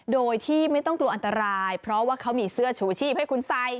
โดยที่ไม่ต้องกลัวอันตรายเพราะว่าเขามีเสื้อชูชีพให้คุณใส่